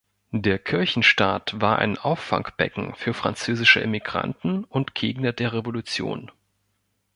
Der Kirchenstaat war ein Auffangbecken für französische Emigranten und Gegner der Revolution.